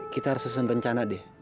kita harus susun rencana deh